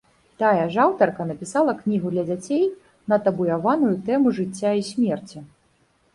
Тая ж аўтарка напісала кнігу для дзяцей на табуяваную тэму жыцця і смерці.